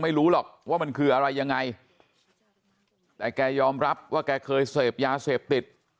ไม่รู้หรอกว่ามันคืออะไรยังไงแต่แกยอมรับว่าแกเคยเสพยาเสพติด